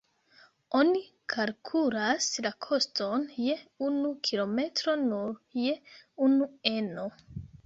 Oni kalkulas la koston je unu kilometro nur je unu eno.